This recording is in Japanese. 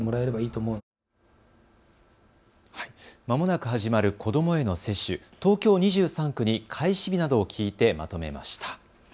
まもなく始まる子どもへの接種、東京２３区に開始日などを聞いてまとめました。